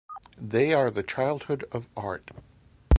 They are the childhood of art.